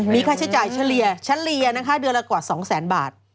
มีค่าใช้จ่ายชะเลียชะเลียนะคะเดือนละกว่า๒๐๐๐๐๐บาท